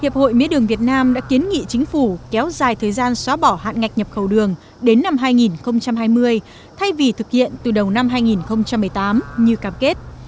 hiệp hội mía đường việt nam đã kiến nghị chính phủ kéo dài thời gian xóa bỏ hạn ngạch nhập khẩu đường đến năm hai nghìn hai mươi thay vì thực hiện từ đầu năm hai nghìn một mươi tám như cam kết